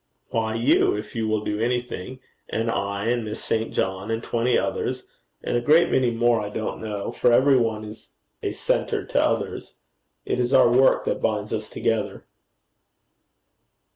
'Why you, if you will do anything, and I and Miss St. John and twenty others and a great many more I don't know, for every one is a centre to others. It is our work that binds us together.'